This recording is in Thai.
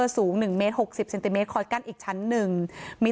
สูงหนึ่งเมตรหกสิบเซนติเมตรคอยกั้นอีกชั้นหนึ่งมี